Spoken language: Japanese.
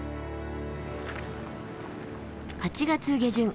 ８月下旬